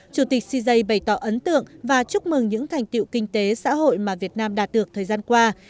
chủ tịch cze bày tỏ ấn tượng và chúc mừng những thành tiệu kinh tế xã hội mà việt nam đạt được thời gian qua